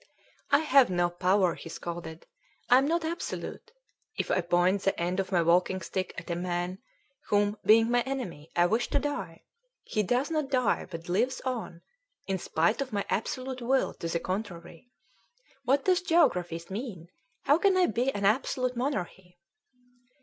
"I have no power." he scolded; "I am not absolute! If I point the end of my walking stick at a man whom, being my enemy, I wish to die, he does not die, but lives on, in spite of my 'absolute' will to the contrary. What does Geographies mean? How can I be an absolute monarchy?"